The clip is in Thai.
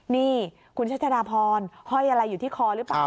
นี่คุณชัชดาพรห้อยอะไรอยู่ที่คอหรือเปล่า